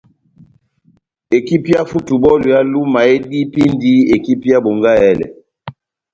Ekipi ya Futubὸlu ya Luma edipindi ekipi ya Bongahèlè.